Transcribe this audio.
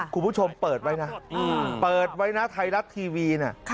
คุณผู้ชมเปิดไว้นะเปิดไว้นะไทยรัฐทีวีนะ